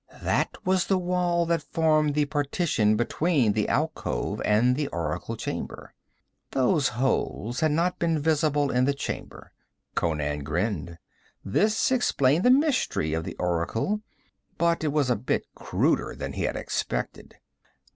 That was the wall that formed the partition between the alcove and the oracle chamber. Those holes had not been visible in the chamber. Conan grinned. This explained the mystery of the oracle, but it was a bit cruder than he had expected.